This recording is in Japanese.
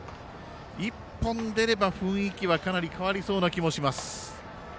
１本出れば雰囲気はかなり変わりそうな気がします。